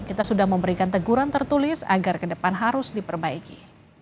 kita sudah memberikan teguran tertulis agar ke depan harus diperbaiki